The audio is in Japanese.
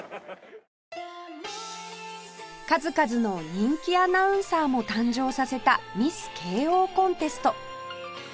数々の人気アナウンサーも誕生させたミス慶應コンテスト